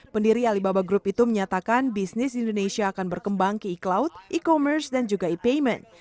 pendiri alibaba group itu menyatakan bisnis di indonesia akan berkembang ke e cloud e commerce dan juga e payment